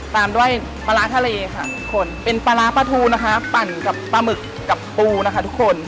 ตามด้วยปลาร้าทะเลค่ะทุกคนเป็นปลาร้าปลาทูนะคะปั่นกับปลาหมึกกับปูนะคะทุกคน